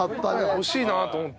欲しいなと思って。